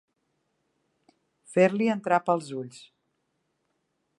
Fer-li entrar pels ulls.